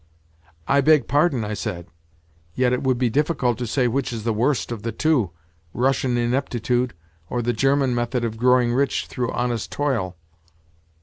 "I beg pardon," I said. "Yet it would be difficult to say which is the worst of the two—Russian ineptitude or the German method of growing rich through honest toil."